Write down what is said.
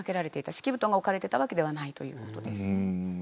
敷布団が置かれていたわけではないということです。